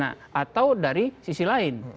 atau dari sisi lain